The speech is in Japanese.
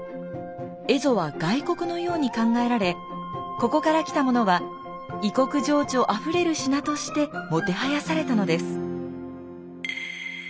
蝦夷は外国のように考えられここから来たものは異国情緒あふれる品としてもてはやされたのです。